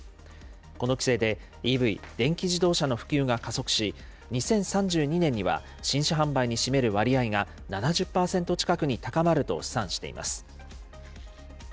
この規制でＥＶ・電気自動車の普及が加速し、２０３２年には新車販売に占める割合が７０％近くに高まると試算しています。